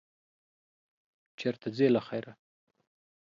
چېرته ځې، له خیره؟